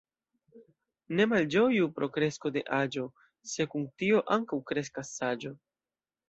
Ne malĝoju pro kresko de aĝo, se kun tio ankaŭ kreskas saĝo.